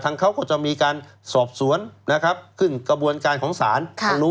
ทั้งเขาก็จะมีการสอบสวนขึ้นกระบวนการของสาร